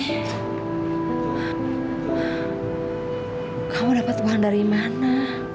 ibu kamu dapat uang dari mana